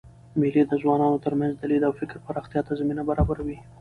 مېلې د ځوانانو ترمنځ د لید او فکر پراختیا ته زمینه برابروي.